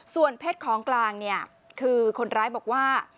ส่วนเพชรของกลางเนี่ยคือคนร้ายบอกว่า